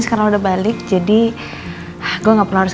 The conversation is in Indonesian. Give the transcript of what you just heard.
maksudnya ini tapi saya sudah selesai